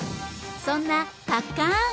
そんなパッカーン！